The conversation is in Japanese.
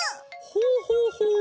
ほうほうほう。